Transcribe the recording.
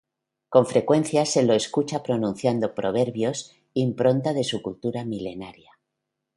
Con frecuencia, se lo escucha pronunciando proverbios, impronta de su cultura milenaria.